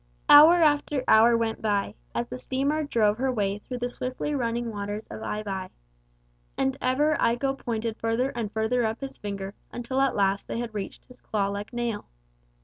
Hour after hour went by, as the steamer drove her way through the swiftly running waters of Aivai. And ever Iko pointed further and further up his finger until at last they had reached his claw like nail.